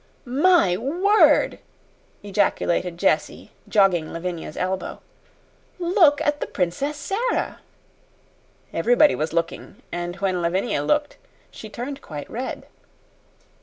"My word!" ejaculated Jessie, jogging Lavinia's elbow. "Look at the Princess Sara!" Everybody was looking, and when Lavinia looked she turned quite red.